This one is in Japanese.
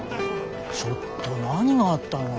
ちょっと何があったの？